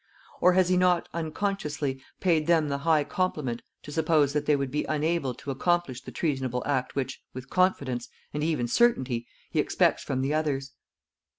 Or, has he not, unconsciously, paid them the high compliment to suppose that they would be unable to accomplish the treasonable act which, with confidence, and even certainty, he expects from the others.